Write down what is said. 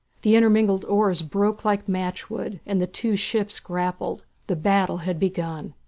The intermingled oars broke like matchwood, and the two ships grappled. The battle had begun.